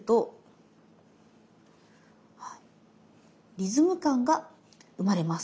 リズム感が生まれます。